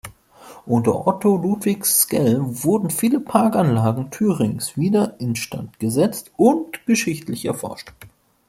Unter Otto Ludwig Sckell wurden viele Parkanlagen Thüringens wieder instand gesetzt und geschichtlich erforscht.